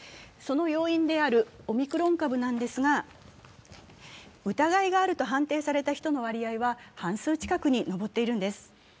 その要因であるオミクロン株ですが、疑いがあると判定された人の割合は半数近くに上っているんです。